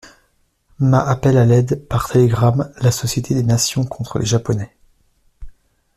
Ma appelle à l'aide par télégramme la société des Nations contre les Japonais.